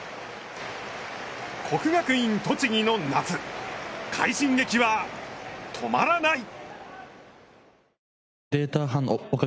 国学院栃木の夏、快進撃は止まらない。